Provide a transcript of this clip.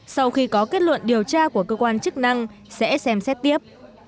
sau khi có kết luận điều tra của cơ quan chức năng sẽ xem xét tiếp